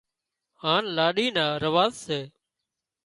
هانَ لاڏِي نا رواز سي